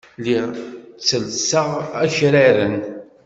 Lliɣ ttellseɣ akraren.